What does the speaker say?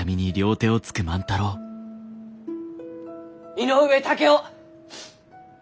井上竹雄！